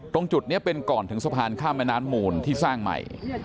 ตรงจุดนี้เป็นก่อนถึงสะพานข้ามแม่น้ำมูลที่สร้างใหม่